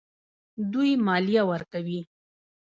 دوی مالیه ورکوي.